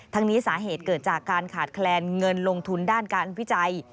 นี้สาเหตุเกิดจากการขาดแคลนเงินลงทุนด้านการวิจัย